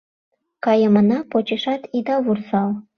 Кайымына почешат ида вурсал.